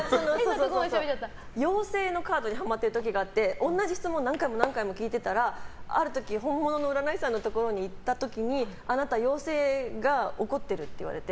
妖精のカードにハマってる時があって同じ質問を何回も聞いてたらある時本物の占い師さんのところに行った時にあなた妖精が怒ってるって言われて。